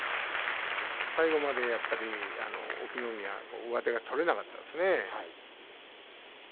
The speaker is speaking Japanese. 最後までやっぱり隠岐の海は上手が取れなかったですね。